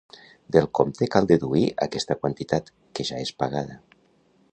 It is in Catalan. Del compte cal deduir aquesta quantitat, que ja és pagada.